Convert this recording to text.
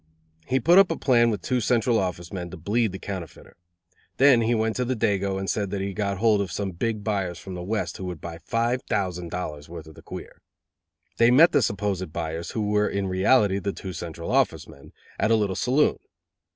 He put up a plan with two Central Office men to bleed the counterfeiter. Then he went to the dago and said he had got hold of some big buyers from the West who would buy five thousand dollars worth of the "queer." They met the supposed buyers, who were in reality the two Central Office men, at a little saloon.